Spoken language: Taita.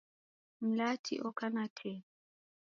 Mlati oka na tee.